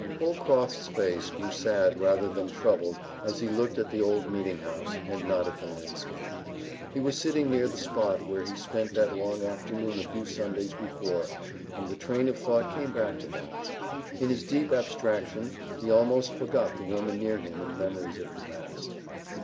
Holcroft's face grew sad rather than troubled as he looked at the old meeting house and not at the landscape. He was sitting near the spot where he spent that long forenoon a few Sundays before, and the train of thought came back again. In his deep abstraction, he almost forgot the woman near him in memories of the past.